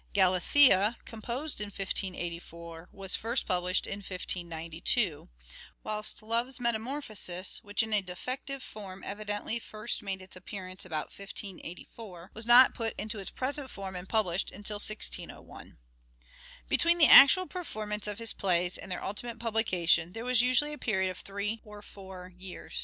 Gallathea," composed in 1584, was first published in 1592 ; whilst " Love's Metamorphosis," which in a defective form evidently first made its appearance about 1584, was not put into its present form and published until 1601. Between the actual performance of his plays and their ultimate publication there was usually a period of three or four years.